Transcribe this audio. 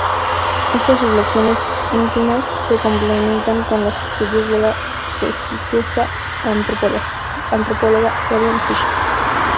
Estas reflexiones íntimas se complementan con los estudios de la prestigiosa antropóloga Helen Fisher.